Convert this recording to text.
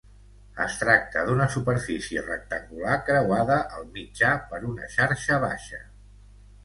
Es tracta d'una superfície rectangular creuada al mitjà per una xarxa baixa.